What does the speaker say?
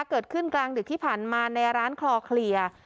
เกิดขึ้นกลางดึกที่ผ่านมาในร้านคลอเคลียร์